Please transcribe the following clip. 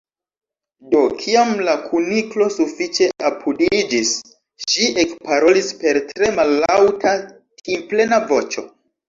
Do, kiam la Kuniklo sufiĉe apudiĝis, ŝi ekparolis per tre mallaŭta timplena voĉo.